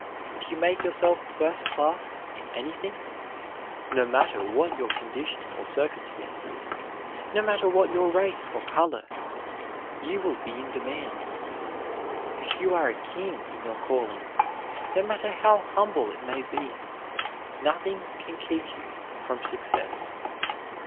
If you make yourself first class in anything, no matter what your condition or circumstances, no matter what your race or color, you will be in demand. If you are a king in your calling, no matter how humble it may be, nothing can keep you from success.